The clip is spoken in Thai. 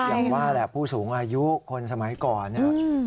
อย่างว่าแหละผู้สูงอายุคนสมัยก่อนเนี่ย